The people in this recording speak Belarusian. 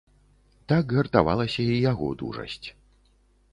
Так гартавалася і яго дужасць.